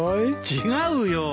違うよ。